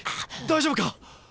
大丈夫か！？